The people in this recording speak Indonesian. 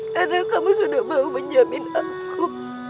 karena kamu sudah mau menjamin aku